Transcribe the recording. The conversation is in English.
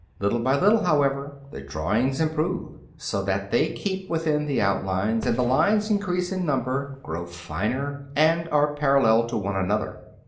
Little by little, however, the drawings improve, in that they keep within the outlines, and the lines increase in number, grow finer, and are parallel to one another.